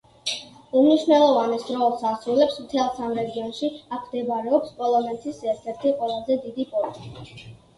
უმნიშვნელოვანეს როლს ასრულებს, მთელს ამ რეგიონში, აქ მდებარეობს პოლონეთის ერთ-ერთი ყველაზე დიდი პორტი.